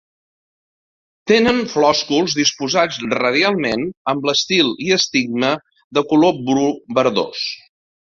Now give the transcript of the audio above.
Tenen flòsculs disposats radialment amb l'estil i estigma de color bru verdós.